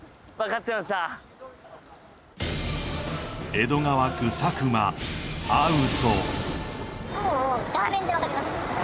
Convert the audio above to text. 江戸川区佐久間アウト